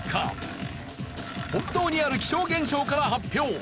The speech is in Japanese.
本当にある気象現象から発表。